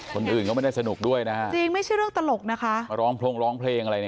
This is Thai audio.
คนอื่นก็ไม่ได้สนุกด้วยนะคะจริงไม่ใช่เรื่องตลกนะคะ